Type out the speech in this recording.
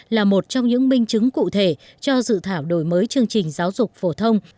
là một trong những minh chứng cụ thể cho dự thảo đổi mới chương trình giáo dục phổ thông